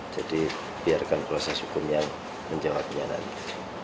jadi biarkan proses hukum yang menjawabnya nanti